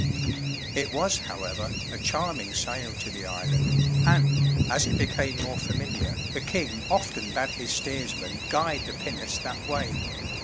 It was, however, a charming sail to the island, and, as it became more familiar, the king often bade his steersman guide the pinnace that way.